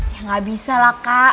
ya nggak bisa lah kak